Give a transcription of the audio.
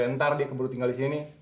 ntar dia keburu tinggal disini